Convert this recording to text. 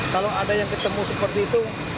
kalau ada yang ketemu seperti itu